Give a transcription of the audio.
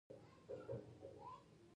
د هیواد ابادي زموږ دنده ده